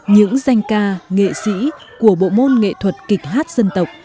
những danh ca nghệ sĩ của bộ môn nghệ thuật kịch hát dân tộc